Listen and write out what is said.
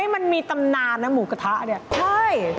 มันมีตำนานนะหมูกระทะเนี่ยใช่